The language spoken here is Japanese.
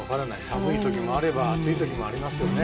寒い時もあれば暑い時もありますよね。